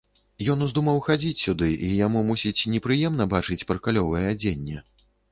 Ён уздумаў хадзіць сюды, і яму, мусіць, непрыемна бачыць паркалёвае адзенне.